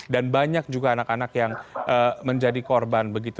dan banyak juga anak anak yang menjadi korban